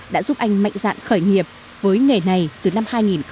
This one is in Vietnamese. đã giúp anh mạnh dạn khởi nghiệp với nghề này từ năm hai nghìn một mươi